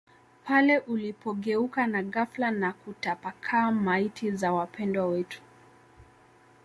pale ulipogeuka na ghafla na kutapakaa Maiti za wapendwa wetu